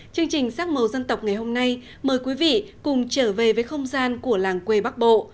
chương trình sắc màu dân tộc ngày hôm nay mời quý vị cùng trở về với không gian của làng quê bắc bộ